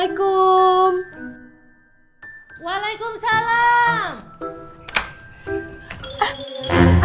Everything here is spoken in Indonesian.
niman dia kena pulangética